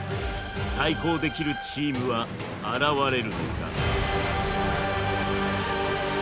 対抗できるチームは現れるのか。